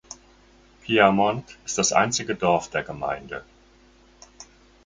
Piermont ist das einzige Dorf der Gemeinde.